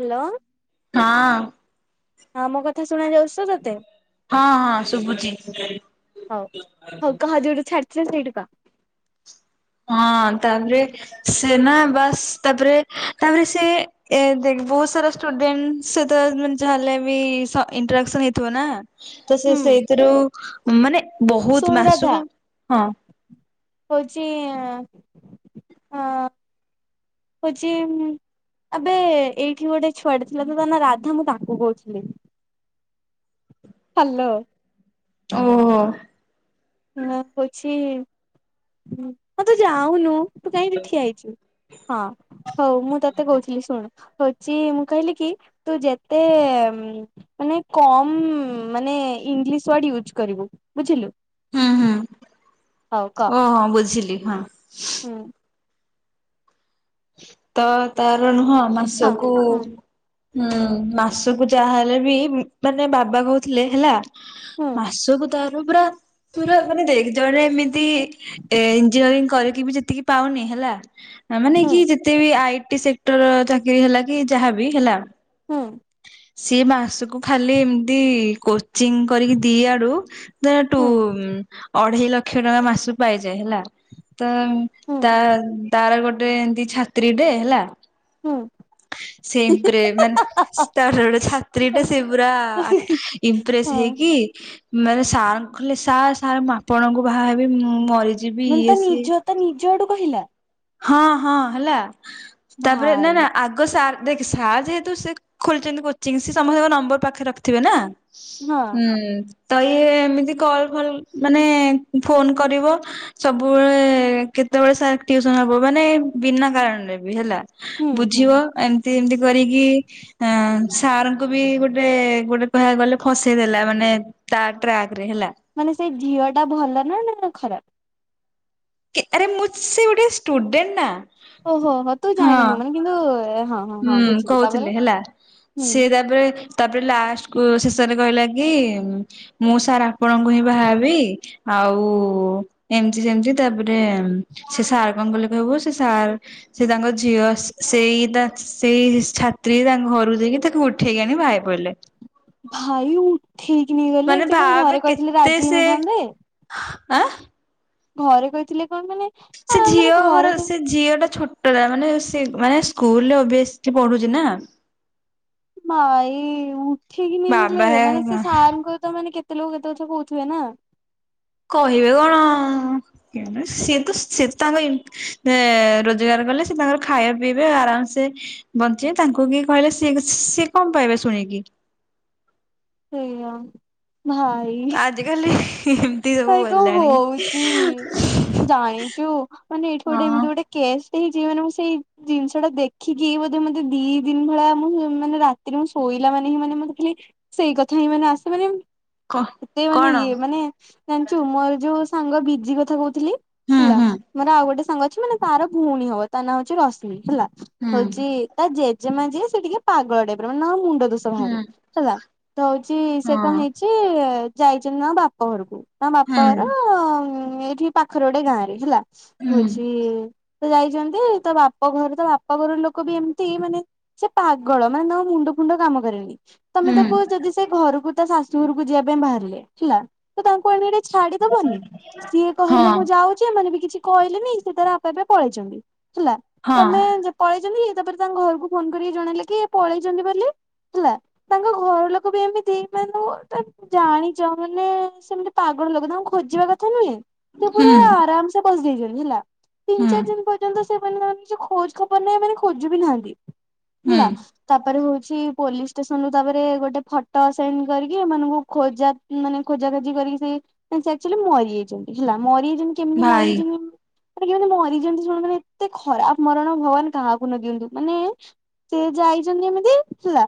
Hello. ହଁ। ହଁ ମୋ କଥା ଶୁଣ ଯାଉଛି ତ ତତେ? ହଁ ହଁ ଶୁଭୁଛି। ହଉ ହଉ କାହା ଯୋଉଠୁ ଛାଡିଥିଲେ ସେଇଠୁ କହ? ହଁ ତାପରେ? ସେ ନା ବାସ୍ ତାପରେ ତାପରେ ସେ ଏ ଦେଖ ବହୁତ ସାରା ଡେଣ୍ଟ ସହିତ ଯାହାଲେ ବି ଇଣ୍ଟୋଡେକ୍ସନ ହେଇଥିବ ନା। ତ ସେ ହୁଁ ସେଇଥିରୁ ମାନେ ବହୁତ ଶୁଣୁ ରାଧା ମାସକୁ ହଁ। ହଉଛି ହଁ। ହଉଛି। ଏବେ ଏଇଠି ଗୋଟେ ଛୁଆଟେ ଥିଲା ତ ତା ନା ରାଧା ମୁଁ ତାଙ୍କୁ କହୁଥିଲି। ହାଲୋ। ଓହୋ। ହଁ କହୁଛି ମ ତୁ ଯାଉନୁ। ତୁ କାହିଁକି ଠିଆ ହେଇଛୁ ହଁ ହଉ ମୁଁ ତତେ କହୁଥିଲି ଶୁଣୁ? ହଉଚି ମୁଁ କହିଲି କି ତୁ ଯେତେ ମାନେ କମ ମାନେ ଇଂଲିଶ ୱାର୍ଡ ୟୁଜ କରିବୁ ବୁଝିଲୁ। ହୁଁ ହୁଁ ହଉ କହ ଓହୋ ବୁଝିଲି ହଁ। ହୁଁ। ତ ତାର ନୁହଁ ହଁ ମାସକୁ। ହୁଁ ହୁଁ ମାସକୁ ଯାହା ହେଲେ ବି ମାନେ ବାବା କହୁଥିଲେ ହେଲା ହୁଁ ମାସକୁ ତାର ପୁରା ପୁରା ମାନେ ଜଣେ ଏମିତି ଇଞ୍ଜିନିୟରିଂ କରିକି ଯେତିକି ପାଉନି ହେଲା ମାନେ ହୁଁ କି ଯେତେ ବି ଆଇଟି ସେକ୍ଟର ଚାକିରି ହେଲା କି ଯାହାବି ହେଲା। ହୁଁ। ସିଏ ମାସ କ ଖାଲି ଏମିତି ଚିଙ୍ଗ କରିକି ଦି ଆଡୁୁ ତାଠୁ ହୁଁ ଅଟା ଅଢେଇ ଲକ୍ଷ ଟଙ୍କା ମାସୁ ପାଇଯାଏ ହେଲା। ତ ହୁଁ ତା ତାର ଗୋଟେ ଏମିତି ଛାତ୍ରୀଟେ ହେଲା। ହୁଁ ସେଇପ୍ ରେ ମାନେ ତାର ଗୋଟେ ଅପା ଛାତ୍ରୀଟା ସେ ପୁରା ଇମ୍ପ୍ରେସ ହଁ ହେଇକି। ମାନେ ସାର୍ କହେ ସାର୍ ସାର୍ ଆପଣଙ୍କୁ ବାହା ହେବି ମୁଁ ମରି ମାନେ ତ ନିଜ ତ ନିଜ ଆଡୁ କହିଲା। ହଁ ହଁ ହେଲା ତାପରେ ନା ଭାଇ ନା ଆଗା ଆ ସାର୍ ଦେଖ ସାର୍ ଯେହେତୁ ସେ ଖୋଲିଛନ୍ତି କୋଚିଂ ସି ସମସ୍ତଙ୍କ ନମ୍ବର ପାଖରେ ରଖିଥିବେ ନା। ହଁ ହୁଁ ତ ଇ ଏମିତି କଲ୍ ଭଲ ମାନେ ଫୋନ କରିବ। ସବୁବେଳେ କେତେବେଳେ ସାର। ମାନେ ବିନା କାରଣରେ ବି ହେଲା ହୁଁ ହୁଁ ବୁଝିବ ଏମତି ଏମତି କରିକି। ଆ ସାରଙ୍କୁ ବି ଗୋଟେ ଗୋଟେ କହିବାକୁ ଗଲେ ଫସେଇ ଦେଲା ମାନେ। ତା ଟ୍ରାକ ରେ ହେଲା। ମାନେ ସେଇ ଝିଅ ଟା ଭଲ ନା ନା ଖରାପ। ଆରେ ମୁଁ ସେ ଗୋଟେ ଷ୍ଟୁଡେଣ୍ଟ ନା। ଓହୋ ହୋ ତୁ ହଁ ଜାଣିନୁ ମାନେ କିନ୍ତୁ ହଁ। ହଁ ହୁଁ ବୁଝିଲି ତାପରେ କହୁଥିଲେ ହେଲା ହୁଁ ସେ ତାପରେ ତାପରେ ଲାଷ୍ଟ କୁ ସେସରେ କହିଲା କି ମୁଁ ସାର୍ ଆପଣଙ୍କୁ ହିଁ ବାହାବି। ଆଉ ଏମତି ସେମିତି ତାପରେ ସେ ସାର୍ କଣ କହିଲ କହିବୁ ସେ ସାର୍ ସେ ତାଙ୍କ ଝିଅ ସେଇତା ସେଇ ଛାତ୍ରୀ ତାଙ୍କ ଘରକୁ ଯାଇକି ତାକୁ ଉଠେଇକି ଆଣି ବାହାହେଇ ପଇଲେ। ଭାଇ ଉ ଉଠେଇିକି ନେଇଗଲେ ମାନେ ସେ କଣ ଭାବେ ଘରେ କହିଥିଲେ କେତେ ରାଜି ସେ ହେଇନଥାନ୍ତେ? ଆଁ ଘରେ କହିଥିଲେ କଣ ତମେ ସେ ଝିଅ ଘର, ସେ ଝିଅଟା ଛୋଟ ମାନେ ସେ ମାନେ ସ୍କୁଲରେ ଓବିଅସଲି ପଢୁଛି ନା ମାଇ ଉଠେଇକି ନେଇଗଲେ, ମାନେ ସେ ବାବା ସାରଙ୍କୁ ତ ମାନେ କେତେ କେତେ ଲୋକ କେତେ କଥା କହୁଥିବେ ନା? କହିବେ କଣ? ସି ତ ସେ ତାଙ୍କ ରୋଜଗାର କଲେ, ସେ ତାଙ୍କର ଖାଇବା ପିଇବେ ଆରାମସେ ବଞ୍ଚିବେ, ତାଙ୍କୁ କିଏ କହିଲେ ସି ସିଏ କଣ ପାଇବେ ଶୁଣିକି। ସେଇଆ, ଭାଇ। ଆଜି କାଲି ଭାଇ କଣ ହଉଛି, ଜାଣିଛୁ ମାନେ ଏଇଠୁ ଗୋଟେ ହଁ ଏମିତି ଗୋଟେ କେସଟେ ହେଇଛି ମାନେ ମୁଁ ସେଇ ଜିନିଷ ଟା ଦେଖିକି ବୋଧେ ମତେ ଦି ଦିନ ଭଳିଆ ମୁଁ ମାନେ ରାତିରେ ମୁଁ ଶୋଇଲା ମାନେ ହିଁ ମାନେ ମତେ ଖାଲି ସେଇ କଥା ହିଁ ମାନେ ଆସେ ମାନେ କ ଏତେ ମାନେ କଣ ଇଏ, ମାନେ ଜାଣିଛୁ ମୋର ଯୋଉ ସାଙ୍ଗ ବିଜି କଥା କହୁଥିଲି ହୁଁ ହେଲା, ହୁଁ ମୋର ଆଉ ଗୋଟେ ସାଙ୍ଗ ଅଛି ମାନେ ତାର ଭଉଣୀ ହବ ତା ନାଁ ହଉଛି ରଶ୍ମି ହେଲା। ହୁଁ ହଉଛି ତା ଜେଜେମା ଯିଏ ସେ ଟିକେ ପାଗଳ ଟାଇପ ର ମାନେ ତାଙ୍କ ମୁଣ୍ଡ ଦୋଷ ହୁଁ ବାହାରିଚି ହେଲା। ତ ହଉଛି ସେ ହଁ କଣ ହେଇଛି ଯାଇଛନ୍ତି ତାଙ୍କ ବାପ ଘରକୁ ତାଙ୍କ ବାପା ହୁଁ ଘର ଏଇଠି ପାଖରେ ଗୋଟେ ଗାଁ ରେ ହେଲା, ହୁଁ ହଉଛି ତ ଯାଇଛନ୍ତି ତ, ବାପ ଘର ତ, ବାପ ଘର ଲୋକ ବି ଏମିତି ମାନେ ସେ ପାଗଳ, ମାନେ ତା ମୁଣ୍ଡ ଫୁଣ୍ଡ କାମ କରେନି। ତମେ ହୁଁ ତାକୁ ଯଦି ସେ ଘରକୁ ତା ଶାଶୁଘରକୁ ଯିବା ପାଇଁ ବାହାରିଲେ ହେଲା, ତ ତାଙ୍କୁ ଆଣ ଛାଡିଦବନି, ସିଏ କହିଲେ ହଁ ମୁଁ ଯାଉ ସେମାନେ ବି କିଛି କହିଲେନି, ସେ ତାର ଆପେ ଆପେ ପଳେଇଛନ୍ତି, ହେଲା, ହଁ ତମେ ପଳେଇଛନ୍ତି ଇ ତାପରେ ତାଙ୍କ ଘରକୁ ଫୋନ କରିକି ଜଣେଇଲେ କି ପଳେଇଛନ୍ତି ବୋଲି। ହେଲା, ତାଙ୍କ ଘର ଲୋକ ବି ଏମିତି [unintelligible] ଜାଣିଛ ମାନେ ସେମିତି ପାଗଳ ଲୋକ, ତାଙ୍କୁ ଖୋଜିବା କଥା ନୁହେଁ, ସେ ପୁରା ହୁଁ ଆରାମ ସେ ବସି ଯାଇଛନ୍ତି ହେଲା। ତିନି ହୁଁ ଚାରି ଦିନ ପର୍ଯ୍ୟନ୍ତ ସେମାନେ ତାର ନିଜ ଖୋଜ ଖବର ନାହିଁ ଏମାନେ ଖୋଜ ବି ନାହାନ୍ତି। ହୁଁ ହେଲା, ତାପରେ ହଉଛି ପୋଲିସ ସନ ରୁ ତାପରେ ଗୋଟେ ଫଟୋ ସେଣ୍ଡ କରିକି ଏମାନଙ୍କୁ ଖୋଜା ମାନେ ଖୋଜାଖୋଜି କରିକି ସେ ଆକୁଚୁଆଲି ମରିଯାଇଛନ୍ତି ହେଲା, ମରିଯାଇଛନ୍ତି କେମିତି ଭାଇ ମରିଯାଇଛନ୍ତି? କେମିତି ମରି ଯାଇଛନ୍ତି, ଶୁଣନ୍ତୁ -ଏତେ ଖରାପ ମରଣ ଭଗବାନ କାହାକୁ ନ ଦିଅନ୍ତୁ, ମାନେ ସେ ଯାଇଛନ୍ତି ଏମିତି ହେଲା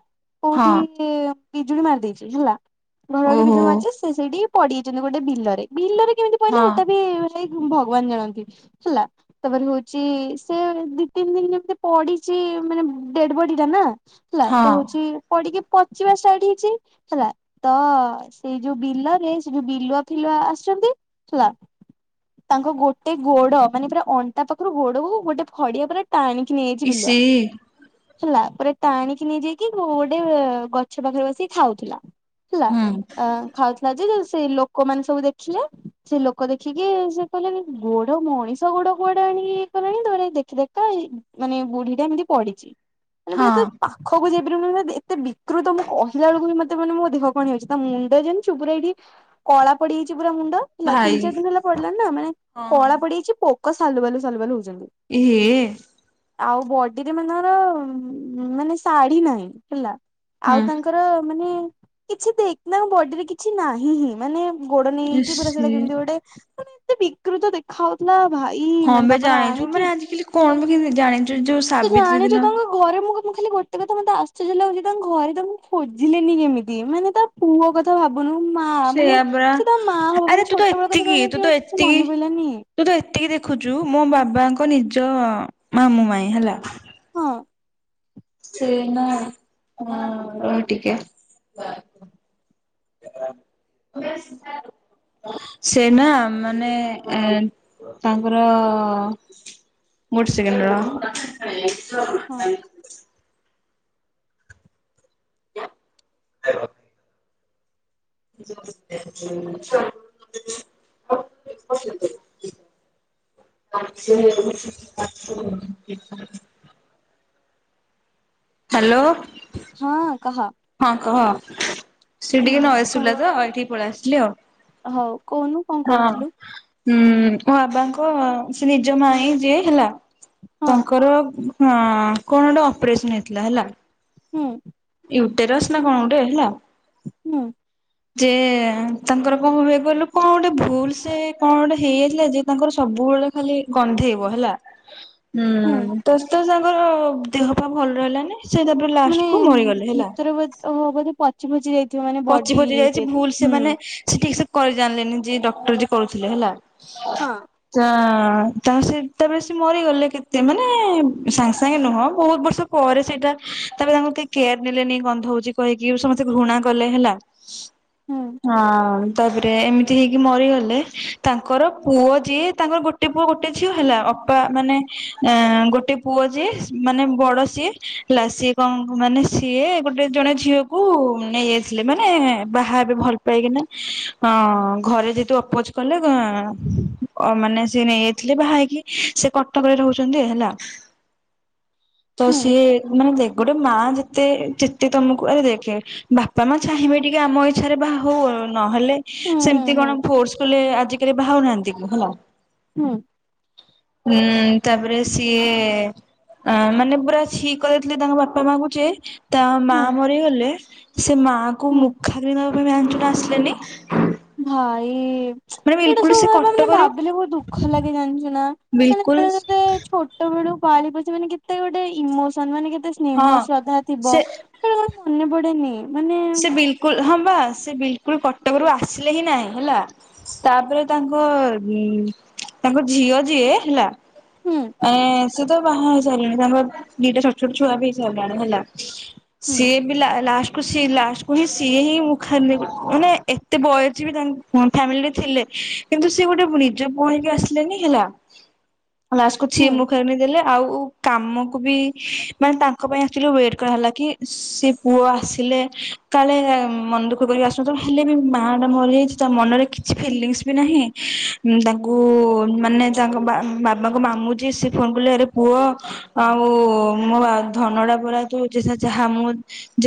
କୋଉଠି ହଁ ବିଜୁଳି ମାରି ଦେଇଛି ହେଲା, ଘଡଘଡି ଓହୋ ବିଜୁଳି ମାରିଛି ସେ ସେଇଠି ପଡିଯାଇଛନ୍ତି ଗୋଟେ ବିଲରେ, ବିଲରେ କେମିତି ହଁ ପଇଲେ ସେଟା ବି ଭ ଭଗବାନ ଜାଣନ୍ତି। ହେଲା। ତାପରେ ହଉଛି ସେ ଦି ତିନି ଦିନ ଯେମିତି ପଡିଛି ମାନେ ଡେଡ ବଡି ଟା ନା। ହେଲା ହଁ ତ ହଉଛି ପଡିକି ପଚିବା ଷ୍ଟାଟ ହେଇଛି ହେଲା ତ ସେଇ ଯୋଉ ବିଲ ରେ ସେ ଯୋଉ ବିଲୁଆ ଫିଲୁଆ ଆସିଛନ୍ତି ହେଲା ତାଙ୍କ ଗୋଟେ ଗୋଡ ମାନେ ପୁରା ଅଣ୍ଟା ପାଖରୁ ଗୋଡ ହଉ ଗୋଟେ ଫଡିଆ ପୁରା ଟାଣିକି ନେଇ ଯାଇଛି ଇସି ବିଲୁଆ। ହେଲା, ପୁରା ଟାଣିକି ନେଇଯାଇକି ଗୋଟେ ଗଛ ପାଖରେ ବସିକି ଖାଉଥିଲା। ହେଲା ହୁଁ ଅ ଖାଉଥିଲା ଯେ- ସେ ଲୋକମାନେ ସବୁ ଦେଖିଲେ, ସେ ଲୋକ ଦେଖିକି ସେ କହିଲେ, ଗୋଡ ମଣିଷ ଗୋଡ କୁଆଡେ ଆଣିକି ଇଏ କଲାଣି, ଦେଖି ଦେଖା ମାନେ ବୁଢୀଟା ଏମିତି ପଡିଚି। ମାନେ ପୁରା ହଁ ତା ପାଖକୁ ଯାଇପାରି ଏତେ ବିକୃତ ମୁଁ କହିଲ ବେଳକୁ ବି ମତେ ମେ ମୋ ଦେହ କଣ ହଉଛି ତା ମୁଣ୍ଡ ଜାଣିିଛୁ ପୁରା ଏଇଠି କଳା ପଡିଯାଇଛି ପୁରା ମୁଣ୍ଡ। ହେଲା ଭାଇ ତିନିଚାର ଦିନ ହେଲା ପଡିଲା ନା ମାନେ ହଁ। କଳା ପଡିଯାଇଚି ପୋକ ସାଲୁବାଲୁ ସାଲୁବାଲୁ ହୋଉଚନ୍ତି। ଏହେ ଆଉ ବଡିରେ ମାନେ ତାଙ୍କର ମାନେ ଶାଢୀ ନାହିଁ ହେଲା। ଆଉ ହୁଁ ତାଙ୍କର ମାନେ କିଛି ଦେଖ୍ ନା ବଡିରେ କିଛି ନାହିଁ ହିଁ ମାନେ ଗୋଡ ନେଇ ଏଇଚି ପୁରା ସେ ସେଟା କେମିତି ଗୋଟେ ମାନେ ଏତେ ବିକୃତ ଦେ ଖାଉଥୁଲା ଭାଇ ହଁ ମାନେ ବେ ତାପରେ ଜାଣିଛୁ ଆଣିକି ମାନେ ଆଜିକାଲି କଣ ବେ କେମିତି ଜାଣିଛୁ ଯୋଉ ତୁ ସାବିତ୍ରୀ ଜାଣିଚୁ ଦିନ ତାଙ୍କୁ ଆଉ ଘରେ ମୁଁ କା ମୁଁ ଖାଲି ଗୋଟେ କଥା ମତେ ଆଶ୍ଚର୍ଯ୍ୟ ଲାଗୁଚି ତାଙ୍କ ଘରେ ତାଙ୍କୁ ଖୋଜିଲେନି କେମିତି ମାନେ ତା ପୁଅ କଥା ଭା ବୁନୁ ମାଆ ମାନେ ସେଇଆ ପରା ସେ ତା ମାଆ ହବ ଆରେ ମାନେ ତୁ ତ ଛୋଟବେଳ କଥା ଏତିକି ତାକୁ ତୁ ନେଇକି ଆଉ ତ କିଛି ଏତିକି ମନେପଇଲାନି। ତୁ ତ ଏତିକି ଦେଖୁଚୁ ମୋ ବାବାଙ୍କ ନିଜ ମାମୁଁ ମାଇଁ ହେଲା ହଁ। ସିଏ ନା ଆଁ ରହ ଟିକେ। ତମୋ ସେନା ମାନେ ଏ ତାଙ୍କର ଗୋଟେ ସେକେଣ୍ଡ ରହ। ହଁ ଆ [unintelligible] ଆଛି ହାଲୋ। ହଁ କହ। ହଁ କହ ସେ ହୁଁ ଟିକେ ନଏଜ ଶୁଲା କଣ ତ ଏଠିକି ପଳେଆସଲି ଆଉ। ହଉ କୋହୁନୁ କଣ କହୁଥିଲୁ। ହୁଁ ବାବାଙ୍କ ସେ ନିଜ ମାଇଁ ଯିଏ ହେଲା ହଁ ତାଙ୍କର ହଁ କଣ ଗୋଟେ ଅପରେସନ ହେଇଥିଲା ହେଲା ହୁଁ। ୟୁଟେରସ୍ ନା କଣ ଗୋଟେ ହେଲା ହୁଁ। ଯେ ତାଙ୍କର କଣ କଣ ହୁଏ କହିଲୁ କଣ ଗୋଟେ ଭୁଲସେ କଣ ଗୋଟେ ହେଇଯାଇଥିଲା ଯେ ତାଙ୍କର ସବୁବେଳେ ଖାଲି ଗନ୍ଧେଇବ ହେଲା। ହ ଉଁ ତ ତ ସାଙ୍ଗର ଦେହପାଆ ଭଲ ରହିଲାନି। ସେଇ ତାପରେ ଲାଷ୍ଟକୁ ମରିଗଲେ ହେଲା। ଓହୋ ବୋଧେ ପଚି ପଚି ଯାଇଥିବ ମାନେ ପଚି ବଡି ପଚି ଯାଇଛି ଭୁଲ ସେମାନେ ଚେକର। ସେ ଠିକସେ କରି ଜାଣିଲେନି ଯିଏ ଡକ୍ଟର ଯିଏ କରୁଥିଲେ ହେଲା। ହଁ। ତ ତାହା ସେ ତାପରେ ସେ ମରିଗଲେ କେତେ ମାନେ ସାଙ୍ଗ ସାଙ୍ଗେ ନୁହଁ ବୋହୁତ ବର୍ଷ ପରେ ସେଇଟା ତାପରେ ତାଙ୍କୁ କେହି କେୟାର ନେଲେନି ଗନ୍ଧୋଉଚି କହିକି ସମସ୍ତେ ଘୃଣା କଲେ ହେଲା ହୁଁ। ହଁ ତାପରେ ଏମିତି ହେଇକି ମରିଗଲେ ତାଙ୍କର ପୁଅ ଯିଏ ତାଙ୍କର ଗୋ ଗୋଟେ ପୁଅ ଗୋଟେ ଝିଅ ହେଲା ଅପା ମାନେ ଏ ଗୋଟେ ପୁଅ ଯିଏ ମାନେ ବଡ ସିଏ। ହେଲା ସିଏ କଣ କ ମାନେ ସିଏ ଗୋଟେ ଜଣେ ଝିଅକୁ ନେଇ ଆ ଆସିଲେ ମାନେ ବାହାହେବେ ଭଲ ପାଇକିନା ଅଁ ଘରେ ଯେହେତୁ ଅପୋଜ କଲେ ଘ ଅ ମାନେ ସିଏ ନେଇଯାଇଥିଲେ ବାହା ହେଇକି ସେ କଟକରେ ରହୁଚନ୍ତି ହେଲା ହ ତ ସିଏ ମାନେ ଦେଖ ଗୋଟେ ମା ଯେତେ ଯେତେ ତମକୁ ଆରେ ଦେଖେ ବା ବାପାମାଆ ଚାହିଁବେ ଟିକେ ଆମ ଇଚ୍ଛାରେ ବାହା ହୋଉ ନହେଲେ ହୁଁ ହୁଁ ସେମିତି ହୁଁ କଣ ଫୋର୍ସ କଲେ ଆଜିକାଲି ବାହାହୋଉନାହାନ୍ତି ହେଲା। ହୁଁ। ଉଁ ତାପରେ ସିଏ ଆ ମାନେ ପୁରା ଛି କରିଦେଇଥିଲେ ତାଙ୍କ ବାପାମାଆଙ୍କୁୁ କିଏ ତା ହୁଁ ମା ହୁଁ ମରିଗଲେ ସେ ମା କୁ ହୁଁ ମୁଖା କିଣବା ପାଇଁ ଭ୍ୟାଞ୍ଚୁଣା ଆସିଲେନି ଭାଇ ମାନେ ଏଇଟା ବିଲକୁଲ ସବୁ ସେ ଭ ମାନେ କଟକରୁ ଭାବିଲେ ବହୁତ ଦୁଃଖ ଲାଗେ ଜାଣିଛୁ ନା ମାନେ ଜଣେ ବିଲକୁଲ ତତେ ଛୋଟ ବେଳୁ ପାଳି ପ ମାନେ କେତେ ଗୋଟେ ଇମୋସନ ମାନେ କେତେ ସ୍ନେହ ହଁ ଶ୍ରଦ୍ଧା ଥିବ ସେ ସେେବେୁ ଆଉ ମନେ ପଡେନି ମାନେ ସେ ବିଲକୁଲ ହଁ ବା ସେ ବିଲକୁଲ କଟକରୁ ଆସିଲେ ହିଁ ନହିଁ ହେଲା ତାପରେ ତାଙ୍କ ତାଙ୍କ ଝିଅ ଯିଏ ହେଲା ହୁଁ ଏ ସେ ତ ବାହା ହେଇ ସାରିଲାଣି ତାଙ୍କ ଦିଟା ଛୋଟ ଛୋଟ ଛୁଆ ବି ହେଇ ସାରିଲାଣି ହେଲା ହୁଁ ସିଏ ବି ଲାଷ୍ଟ ସେ ଲାଷ୍ଟକୁ ହିଁ ସିଏ ହିଁ ମୁଁ ଖା ମାନେ ଏତେ ବୟସ ବି ତାଙ୍କ ଫ୍ୟାମିଲି ରେ ଥିଲେ କିନ୍ତୁ ସେ ଗୋଟେ ନିଜ ପୁଣୀକୁ ଆସିଲେନି ହେଲା ହ ଲାଷ୍ଟ କକୁ ଛିି ମୁଖେଣି ଦେଲେ ଆଉ କାମକୁ ବି ମାନେ ତାଙ୍କ ପାଇଁ ଆସିଲୁ ୱେଟ୍ କରାହେଲା କି ସେ ପୁଅ ଆସ ଥିଲେ କାଳେ ମନ ଦୁଃଖ କରିକ ଆସୁ ହେଲେ ବି ମା ଟା ମରିଯାଇଛି ତା ମନରେ କିଛି ଫିଲଙ୍ଗସ୍ ବି ନାହିଁ ତାଙ୍କୁ ମାନେ ତାଙ୍କ ବାବାଙ୍କ ମାମୁଛି ସେ ଫୋନ କଲେ ହୁହ ଆଉ ମୋ ଧନ ଟା ପରା ତ ଯାହା ମୁଁ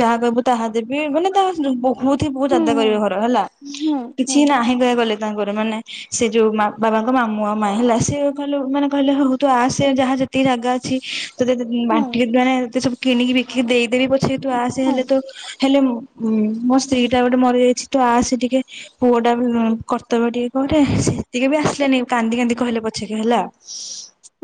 ଯାହା କହିବୁ ତାହା ଦେବି ମାନେ ତାହା ବହୁତ ହିଁ ବହୁତ ହୁଁ ଜନ୍ଦା ହୁଁ କରିବ ଘର ହେଲା ହୁଁ ହୁଁ କିଛି ନାହିଁ କହ ଗଲେ ତାଙ୍କର ମାନେ ସେ ଯୋଉ ବାବାଙ୍କ ମାମୁଁ ଆଉ ମା ହେଲା ସେ କହିଲ ମାନେ କହିଲେ ହଉ ତୁ ଆ ସେ ଯାହା ଯେତିକି ଜାଗା ଅଛି ତତେ ହୁଁ ବାଟିକି ଦୁ ଏତେ ସବୁ କିଣିକି ବିକି ଦେଇଦେବି ପଛେଇ ତୁ ଆସେ ହୁଁ ହେଲେ ତୋ ହେଲେ ମୋ ସ୍ତ୍ରୀ ଟା ଗୋଟେ ମରିଯାଇଛି ତୁ ଆସ ଟିକେ ପୁଅ ଟା ବି କର୍ତ୍ତବ୍ୟ ଟିକେ କରେ ସେତିକି ବି ଆସିଲେନି କାନ୍ଦି କାନ୍ଦି କହିଲେ ପଛେକେ ହେଲା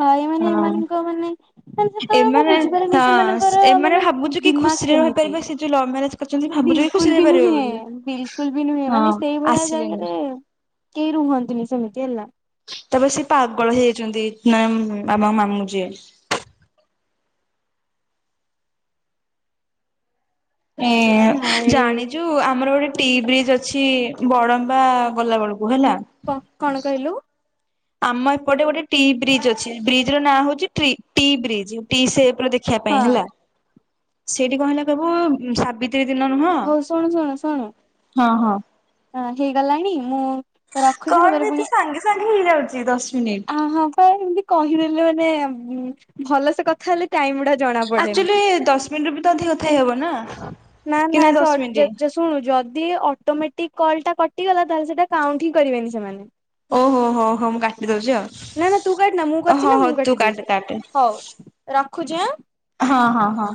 ଗ ହ ମାନେ ହଁ ଏମାନଙ୍କ ମାନେ ମାନେ ଯେତେବେଳେ ମୁଁ ବୁଝିପାରିନି ସେମାନଙ୍କର ମାନେ ଭାବୁ କି ଦିମାଗ ଖୁସିରେ କେମିତି। ରହିପାରିବେ ସେ ଲଭ ମ୍ୟାରେଜ କରିଛନ୍ତି ଭାବୁଛି ଖୁସି ବିଲକୁଲ ହେ ବି ପାରିବେ ନୁହେଁ ବୋଲି ବିଲକୁଲ ବି ନୁହେଁ ହଁ ମାନେ ସେଇଭଳିଆ ଆସିଲନି ଜାଗାରେ କେହି ରୁହନ୍ତିୁନି ସେମିତି ହେଲା ତାପରେ ସେ ପାଗଳ ହେଇଯାଇଛନ୍ତି ନେ ବାାମ ମାମୁଁ ଯିଏ ଏ ଭାଇ ଜାଣି ଯୋଉ ଆମର ଗୋଟେ ଟି ବ୍ରିଜ୍ ଅଛି ବଡମ୍ବା ଗଲାବେେଳକୁ ହେଲା କଣ କହିଲୁ ଆମ ଏପଟେ ଗୋଟେ ଟି ବ୍ରିଜ୍ ଅଛି ବ୍ରିଜ ର ନାଁ ହଉଛି ଟି ବ୍ରିଜ୍ଟି ସେଖ ଶଖିବା ପାଇଁ ହଁ ହେଲା ସେଇଠି କଣ ହେଲା କବୁ ସାବ ି ଦିନ ନୁହଁ ହଉ ଶୁଣୁ ହଁ ହଁ ହ ହେଇଗଲାଣି ମୁଁ ରଖୁଛି କଣ ଏତେ ସାଙ୍ଗେ ସାଙ୍ଗେ ହେଇଯାଉଛି ତ ଆ ହଁ ପା ଏମତି କହିଦେଲେ ମାନେ ଉ ଭଲ ସେ କଥା ହେଲେ ଟାଇମ ଗଡା ଆଚୁଲି ଦଶ ମିନିଟ ବି ତ ଅଧ କଥା ହେଇ ହବ ନା ନା କି ନା ନାଇଁ ଦଶ ମିନିଟ। ସେ ଶୁଣୁ ଯଦି ଅଟୋମେଟିକ କଲ୍ ଟା କଟିଗଲା ତାହେଲେ ସେଇଟା କାଉଣ୍ଟ ହିଁ କରିବେନି ସେମାନେ ଓହୋ ହୋ ହୋ ମୁଁ କାଟିଦଉଛି ଆଉ ନା ନା ତୁ କାଟିନା ମୁଁ କରିଛି ନା ହଉ ହଉ ମୁଁ ତୁ କାଟି କାଟେ ଦଉଛି କାଟେ ହଉ ରଖୁଛି ଆଁ ହଁ ହଁ ହଁ